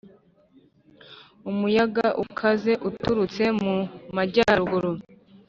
Umuyaga Ukaze Uturutse Mu Majyaruguru